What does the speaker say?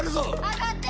上がって！